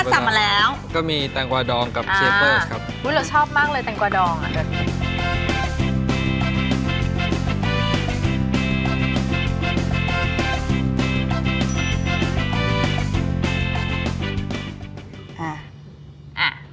มาแล้วก็มีแตงกวาดองโอ้ยเราชอบมากเลยแตงกวาดองอ่ะ